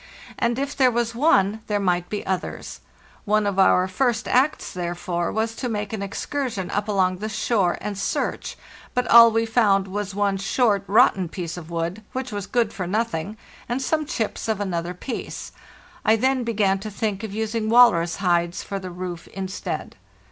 And if there was one, there might be others. One of our first acts, therefore, was to make an excursion up along the shore and search; but all we found was one short, rotten piece of wood, which was good for nothing, and some chips of another piece. I then began to think of using walrus hides for the roof instead.